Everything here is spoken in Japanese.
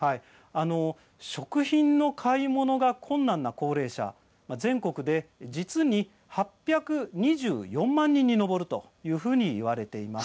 食品の買い物が困難な高齢者全国で実に８２４万人に上ると言われています。